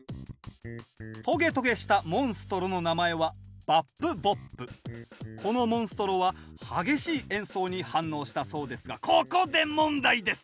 トゲトゲしたモンストロの名前はこのモンストロは激しい演奏に反応したそうですがここで問題です！